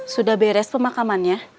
sudah beres pemakamannya